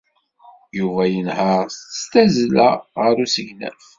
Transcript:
Yuba yenheṛ s tazzla ɣer usegnaf.